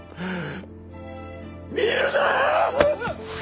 見るな！